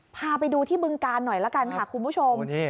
พาไปดูที่บึงกาลหน่อยละกันค่ะคุณผู้ชม